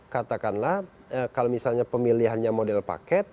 katakanlah kalau misalnya pemilihannya model paket